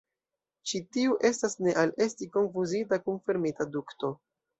Ĉi tiu estas ne al esti konfuzita kun fermita dukto.